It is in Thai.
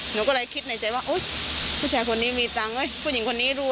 หนูก็เลยคิดในใจว่าผู้ชายคนนี้มีเงิน